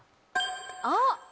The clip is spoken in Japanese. あっ！